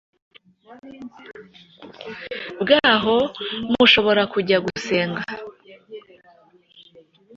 bwaho mushobora kujya gusengera .